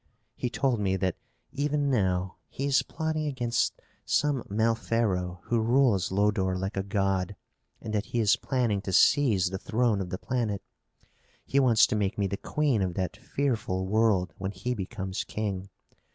He told me that, even now, he is plotting against some Malfero who rules Lodore like a god, and that he is planning to seize the throne of the planet. He wants to make me the queen of that fearful world when he becomes king.